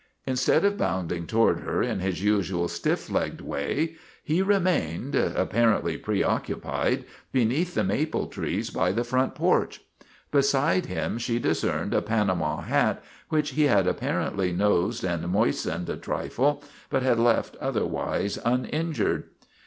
Instead of bounding toward her in his usual stiff legged way he remained, ap parently preoccupied, beneath the maple tree by the front porch. Beside him she discerned a Panama hat which he had apparently nosed and moistened a trifle but had left otherwise uninjured.